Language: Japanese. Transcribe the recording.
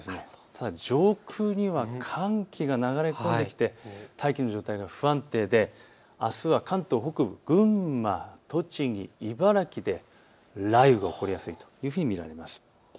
ただ上空には寒気が流れ込んできて大気の状態が不安定であすは関東北部、群馬、栃木、茨城で雷雨が起こりやすいというふうに見られます。